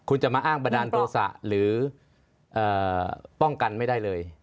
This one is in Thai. คุณจะมาอ้างบันดาลโทษะหรือป้องกันไม่ได้เลย